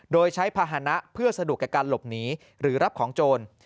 โดยใช้ภาษณะเพื่อสะดวกกับการหลบหนีหรือรับของโจร